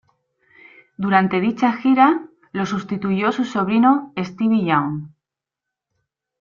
Durante dicha gira, lo sustituyó su sobrino Stevie Young.